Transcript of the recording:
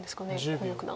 河野九段。